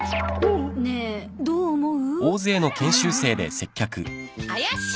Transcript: ねえどう思う？